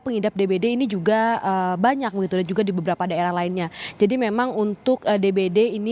pengidap dbd ini juga banyak begitu dan juga di beberapa daerah lainnya jadi memang untuk dbd ini